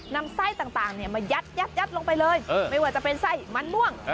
นำไส้ต่างมายัดลงไปเลยไม่ว่าจะเป็นไส้มันม่วง